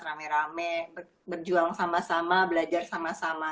rame rame berjuang sama sama belajar sama sama